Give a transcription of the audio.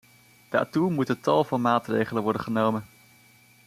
Daartoe moeten tal van maatregelen worden genomen.